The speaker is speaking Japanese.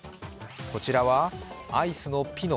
こちらはアイスのピノ。